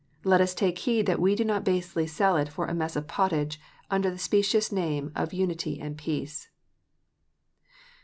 Let us take heed that we do not basely sell it for a mess of pottage, under the specious names of unity and peace.